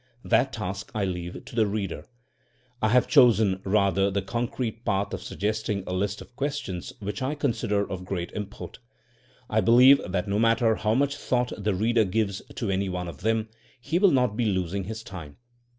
That task I leave to the reader. I have chosen rather the concrete path of suggesting a list of ques tions which I consider of great import. I be lieve that no matter how much thought the reader gives to any one of them he will not be losing his time.